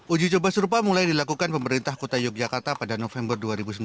uji coba serupa mulai dilakukan pemerintah kota yogyakarta pada november dua ribu sembilan belas